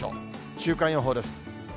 週間予報です。